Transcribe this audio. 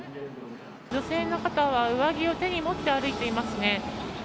女性の方は上着を手に持って歩いていますね。